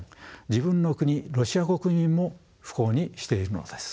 自分の国ロシア国民も不幸にしているのです。